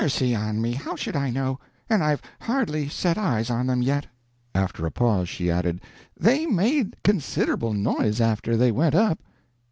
"Mercy on me, how should I know, and I've hardly set eyes on them yet." After a pause she added, "They made considerable noise after they went up."